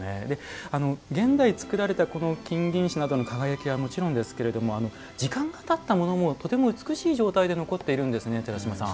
現代に作られた金銀糸の輝きはもちろんですけれども時間がたったものもとても美しい状態で残っているんですね、寺島さん。